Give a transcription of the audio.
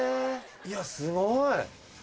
いやすごい。